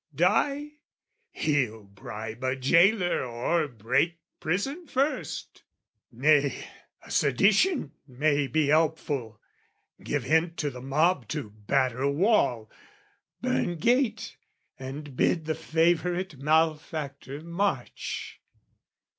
Die? He'll bribe a gaoler or break prison first! Nay, a sedition may be helpful, give Hint to the mob to batter wall, burn gate, And bid the favourite malefactor march.